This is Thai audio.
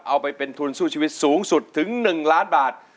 เอาไปเป็นทุนสู้ชีวิตสูงสุดถึง๑ล้านบาท